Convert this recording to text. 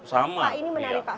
oh semangat tetap sama